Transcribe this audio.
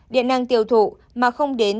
điện năng tiêu thụ mà không đến